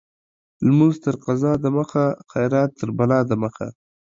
لمونځ تر قضا د مخه ، خيرات تر بلا د مخه.